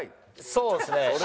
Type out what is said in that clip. そうですね。